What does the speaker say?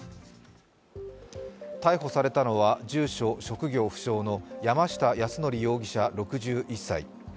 逮捕されたのは住所・職業不詳の山下泰範容疑者６１歳。